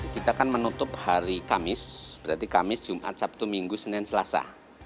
kita kan menutup hari kamis berarti kamis jumat sabtu minggu senin selasa